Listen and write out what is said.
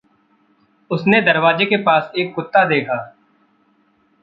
उसने दरवाज़े के पास एक कुत्ता देखा।